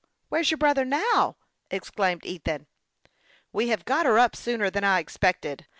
Where is you* brother now ?" ex claimed Ethan. " We have got her up sooner than I expected.